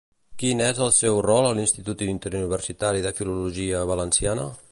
Quin és el seu rol a l'Institut Interuniversitari de Filologia Valenciana?